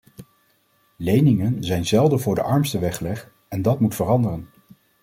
Leningen zijn zelden voor de armsten weggelegd en dat moet veranderen.